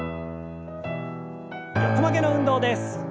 横曲げの運動です。